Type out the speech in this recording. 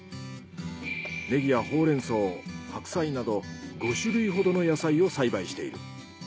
ネギやホウレンソウ白菜など５種類ほどの野菜を栽培している。